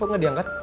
kok gak diangkat